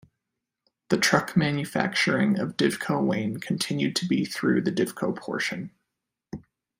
The truck manufacturing of Divco-Wayne continued to be through the Divco portion.